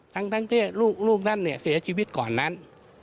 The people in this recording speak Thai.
ทั้งที่ลูกนั้นเสียชีวิตก่อนนั้น